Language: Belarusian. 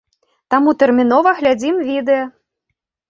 Таму тэрмінова глядзім відэа!